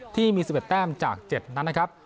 ที่มี๑๑แต้มจาก๗นัดนะครับ